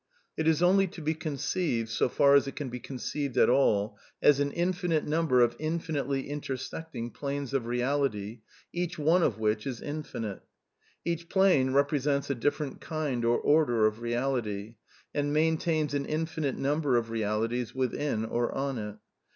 It is only to be conceived, so far as itL^ can be conceived at all, as an infinite number of infinitely^ intersecting planes of reality, each one of which is infinite. Each plane represents a different kind or order of reality, and maintains an infinite number of realities within or on it.